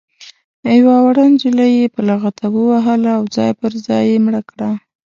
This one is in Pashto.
یوه وړه نجلۍ یې په لغته ووهله او ځای پر ځای یې مړه کړه.